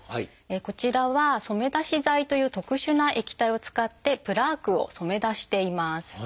こちらは染め出し剤という特殊な液体を使ってプラークを染め出しています。